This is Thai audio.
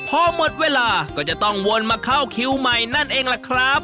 พอหมดเวลาก็จะต้องวนมาเข้าคิวใหม่นั่นเองล่ะครับ